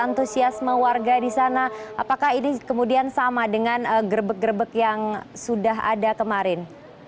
antusiasme warga di sana apakah ini kemudian sama dengan gerbek gerbek yang sudah ada kemarin